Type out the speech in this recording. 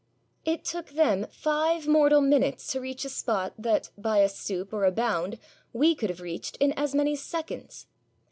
It took them five mortal minutes to reach a spot that, by a stoop or a bound, we could have reached in as many seconds!